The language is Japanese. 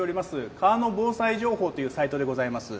川の防災情報というサイトでございます。